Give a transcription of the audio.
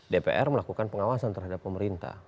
dpr melakukan pengawasan terhadap pemerintah